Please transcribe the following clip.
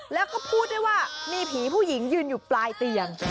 แล้วก็พูดด้วยว่ามีผีผู้หญิงยืนอยู่ปลายเตียง